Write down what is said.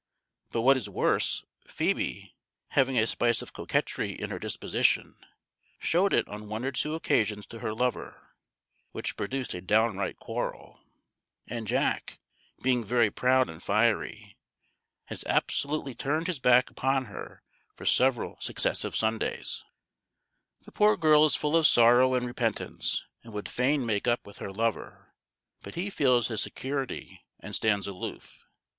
But what is worse, Phoebe, having a spice of coquetry in her disposition, showed it on one or two occasions to her lover, which produced a downright quarrel; and Jack, being very proud and fiery, has absolutely turned his back upon her for several successive Sundays. [Illustration: Jack Jilts Phoebe] The poor girl is full of sorrow and repentance, and would fain make up with her lover; but he feels his security, and stands aloof.